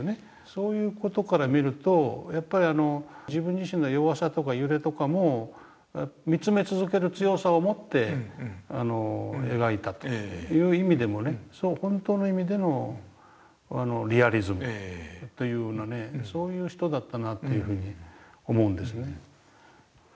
そういう事から見るとやっぱり自分自身の弱さとか揺れとかも見つめ続ける強さをもって描いたという意味でもね本当の意味でのリアリズムというようなねそういう人だったなというふうに思うんですね。